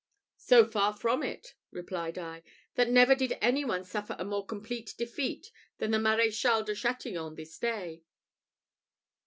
"So far from it," replied I, "that never did any one suffer a more complete defeat than the Maréchal de Chatillon this day.